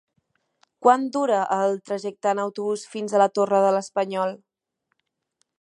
Quant dura el trajecte en autobús fins a la Torre de l'Espanyol?